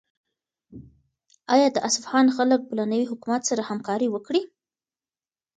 آیا د اصفهان خلک به له نوي حکومت سره همکاري وکړي؟